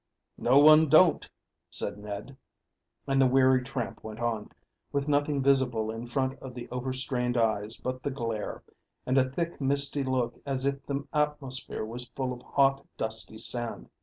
"No, one don't," said Ned; and the weary tramp went on, with nothing visible in front of the overstrained eyes but the glare, and a thick misty look as if the atmosphere was full of hot, dusty sand.